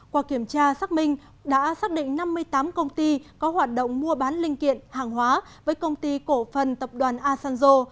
qua kiểm tra xác minh đã xác định năm mươi tám công ty có hoạt động mua bán linh kiện hàng hóa với công ty cổ phần tập đoàn asanjo